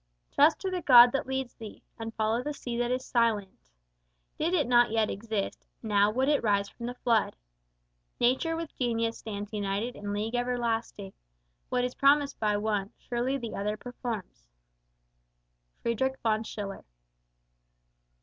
Trust to the God that leads thee, and follow the sea that is silent; Did it not yet exist, now would it rise from the flood. Nature with Genius stands united in league everlasting; What is promised by one, surely the other performs. FRIEDRICH VON SCHILLER.